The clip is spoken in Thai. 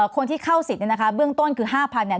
คนที่เข้าสิทธิ์เนี่ยนะคะเบื้องต้นคือ๕๐๐เนี่ย